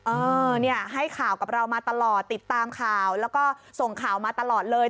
เออเนี่ยให้ข่าวกับเรามาตลอดติดตามข่าวแล้วก็ส่งข่าวมาตลอดเลย